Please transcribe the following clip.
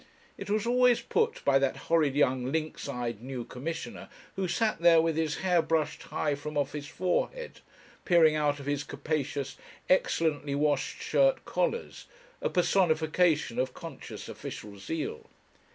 It was always put by that horrid young lynx eyed new commissioner, who sat there with his hair brushed high from off his forehead, peering out of his capacious, excellently washed shirt collars, a personification of conscious official zeal.